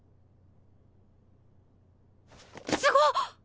すごっ！